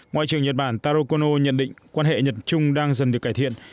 ngoại trưởng nhật bản taro kono nhận định quan hệ nhật trung đang dần được cải thiện